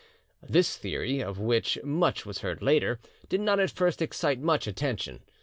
This theory, of which much was heard later, did not at first excite much attention.